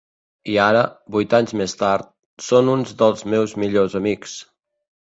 I ara, vuit anys més tard, són uns dels meus millors amics.